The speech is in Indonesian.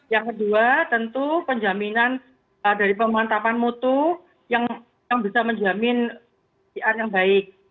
yang kedua tentu penjaminan dari pemantapan mutu yang bisa menjamin pcr yang baik